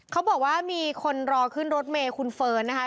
เขาบอกว่ามีคนรอขึ้นรถเมย์คุณเฟิร์นนะคะ